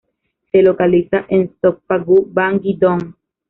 Se localiza en Songpa-gu, Bangi-dong.